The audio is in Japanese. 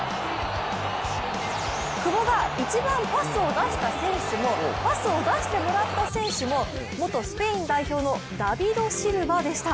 久保が一番パスを出した選手もパスを出してもらった選手も元スペイン代表のダビド・シルバでした。